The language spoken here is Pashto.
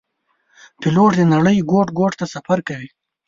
پیلوټ د نړۍ ګوټ ګوټ ته سفر کوي.